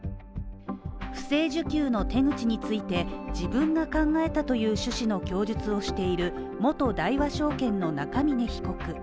不正受給の手口について自分が考えたという趣旨の供述をしている元大和証券の中峯被告。